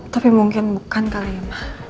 tapi mungkin bukan kali ya ma